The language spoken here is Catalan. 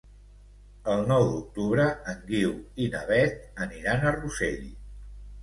El nou d'octubre en Guiu i na Beth aniran a Rossell.